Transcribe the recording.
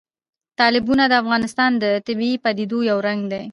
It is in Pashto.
تالابونه د افغانستان د طبیعي پدیدو یو رنګ دی.